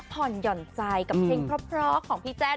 พ่นหย่อนใจกับเพลงพรพรของพี่แจ้ครับ